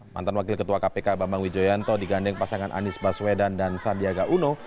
mantan wakil ketua kpk bambang wijoyanto digandeng pasangan anies baswedan dan sandiaga uno